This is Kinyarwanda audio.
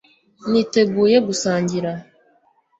niteguye gusangira